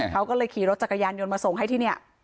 เขาก็เลยขี่รถจักรยานยนต์มาส่งให้ที่นี่